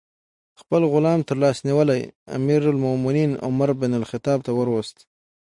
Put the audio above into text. خپل غلام ترلاس نیولی امیر المؤمنین عمر بن الخطاب ته وروست.